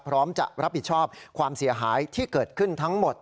พร้อมจะรับผิดชอบความเสียหายที่เกิดขึ้นทั้งหมด